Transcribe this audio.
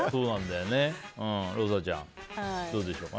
ローサちゃん、どうでしょうか。